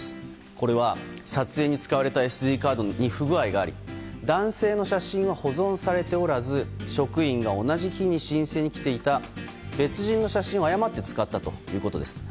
これは、撮影に使われたＳＤカードに不具合があり男性の写真は保存されておらず職員が同じ日に申請に来ていた別人の写真を誤って使ったということです。